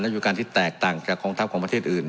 อยู่การที่แตกต่างจากกองทัพของประเทศอื่น